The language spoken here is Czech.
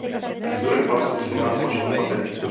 Výzbroj byla soustředěna do bočních baterií.